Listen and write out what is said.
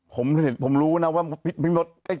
ผมผมรู้นะว่ามีนัตกิจ